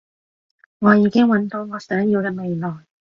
我已經搵到我想要嘅未來